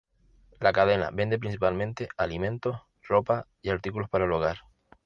La cadena vende principalmente alimentos, ropa y artículos para el hogar.